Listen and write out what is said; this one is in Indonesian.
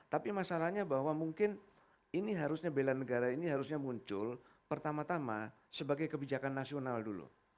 tapi masalahnya bahwa mungkin ini harusnya bela negara ini harusnya muncul pertama tama sebagai kebijakan nasional dulu